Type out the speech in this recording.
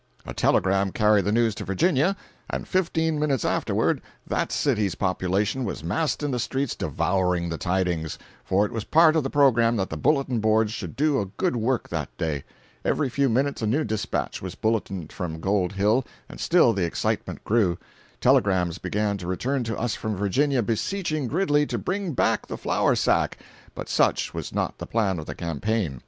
A telegram carried the news to Virginia, and fifteen minutes afterward that city's population was massed in the streets devouring the tidings—for it was part of the programme that the bulletin boards should do a good work that day. Every few minutes a new dispatch was bulletined from Gold Hill, and still the excitement grew. Telegrams began to return to us from Virginia beseeching Gridley to bring back the flour sack; but such was not the plan of the campaign.